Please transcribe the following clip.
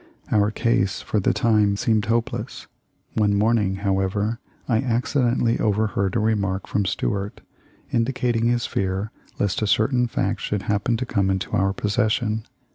Our case for the time seemed hopeless. One morn ing, however, I accidentally overheard a remark from Stuart indicating his fear lest a certain fact should happen to come into our possession.